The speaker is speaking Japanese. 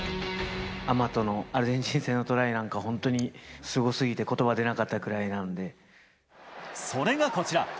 アマトのアルゼンチン戦のトライなんか、本当にすごすぎて、それがこちら。